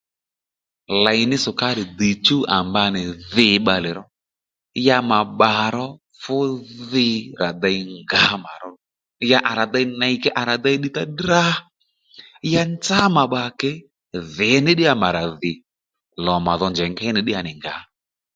Lèy ní sukari dichú à mba nì dhi bbalè ró ya mà bbà ro fú dhi rà dey ngǎ mà ró ya à rà dey ney ro ke à rà dey ddiy ta drá ya nzá mà bbà ke dhì ní ddí ya mà rà dhì lò màdho njèy ngéy nî ddí yà à nì ngǎ